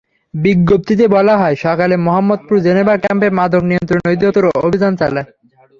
বিজ্ঞপ্তিতে বলা হয়, সকালে মোহাম্মদপুর জেনেভা ক্যাম্পে মাদক নিয়ন্ত্রণ অধিদপ্তর অভিযান চালায়।